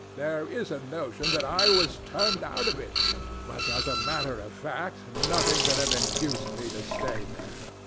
There is a notion that I was turned out of it; but as a matter of fact nothing could have induced me to stay there.